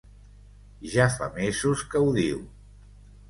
Ja fa mesos que ho diu.